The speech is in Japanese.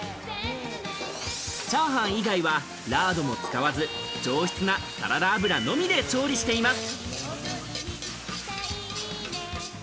チャーハン以外はラードも使わず、上質なサラダ油のみで調理しています。